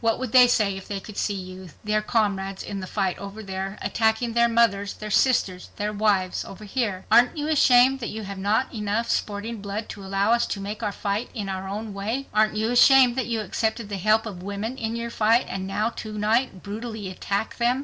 What would they say if they could see you, their comrades in the fight over there, attacking their mothers, their sisters, their wives over here? Aren't you ashamed that you have not enough sporting blood to allow us to make our fight in our own way? Aren't you ashamed that you accepted the help of women in your fight, and now to night brutally attack them?"